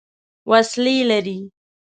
وسلې لري.